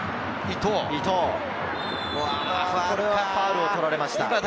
これはファウルを取られました。